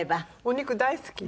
お肉大好き。